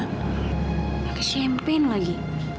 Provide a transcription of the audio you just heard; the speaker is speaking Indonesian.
pakai champagne lagi